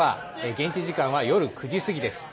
現地時間は夜９時過ぎです。